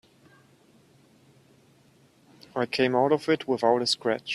I came out of it without a scratch.